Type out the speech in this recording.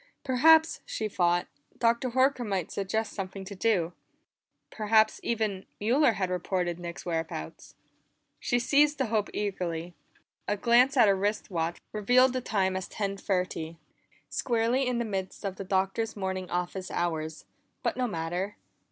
Perhaps, she thought, Dr. Horker might suggest something to do; perhaps, even, Mueller had reported Nick's whereabouts. She seized the hope eagerly. A glance at her wrist watch revealed the time as ten thirty; squarely in the midst of the Doctor's morning office hours, but no matter.